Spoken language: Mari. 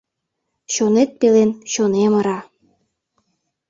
Чонет пелен чонем ыра.